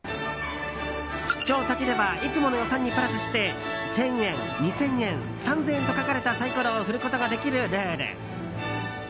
出張先ではいつもの予算にプラスして１０００円、２０００円３０００円と書かれたサイコロを振ることができるルール。